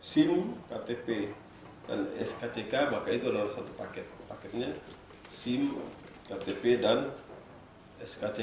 sim ktp dan skck makanya itu adalah satu paket